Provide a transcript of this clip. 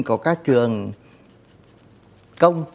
có các trường công